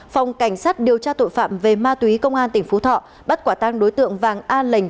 phòng cảnh sát điều tra tội phạm về ma túy công an tỉnh phú thọ bắt quả tang đối tượng vàng a lệnh